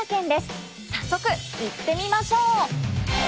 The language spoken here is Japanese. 早速行ってみましょう。